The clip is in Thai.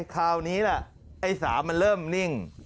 คราวนี้แหละไอ้สาวมันเริ่มนิ่ง